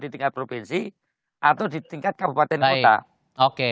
di tingkat provinsi atau di tingkat kabupaten kota